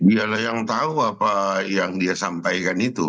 ya lah yang tahu apa yang dia sampaikan itu